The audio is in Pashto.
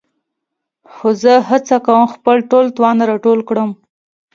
خو زه هڅه کوم خپل ټول توان راټول کړم.